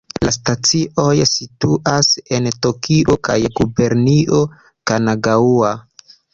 La stacioj situas en Tokio kaj Gubernio Kanagaŭa.